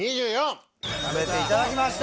食べていただきました。